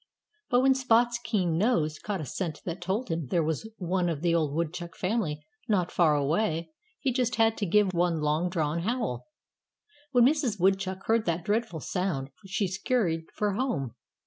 But when Spot's keen nose caught a scent that told him there was one of the Woodchuck family not far away he just had to give one long drawn howl. When Mrs. Woodchuck heard that dreadful sound she scurried for home.